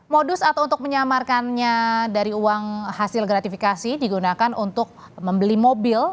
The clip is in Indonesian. modus atau untuk menyamarkannya dari uang hasil gratifikasi digunakan untuk membeli mobil